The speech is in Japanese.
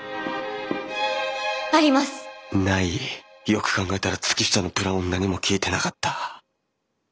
よく考えたら月下のプランを何も聞いてなかった。